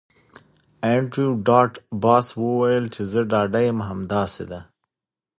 انډریو ډاټ باس وویل چې زه ډاډه یم همداسې ده